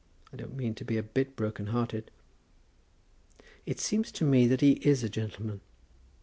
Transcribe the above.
I don't mean to be a bit broken hearted." "It seems to me that he is a gentleman."